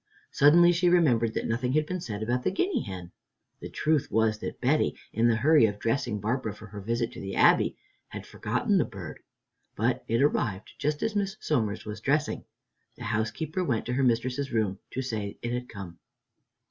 Suddenly she remembered that nothing had been said about the guinea hen. The truth was that Betty, in the hurry of dressing Barbara for her visit to the Abbey, had forgotten the bird, but it arrived just as Miss Somers was dressing. The housekeeper went to her mistress's room to say it had come.